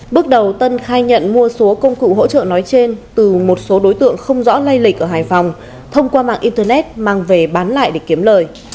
bước đầu tân khai nhận mua số công cụ hỗ trợ nói trên từ một số đối tượng không rõ lây lịch ở hải phòng thông qua mạng internet mang về bán lại để kiếm lời